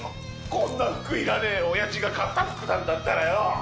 こんな服いらねえよ、おやじが買った服なんだったらよ！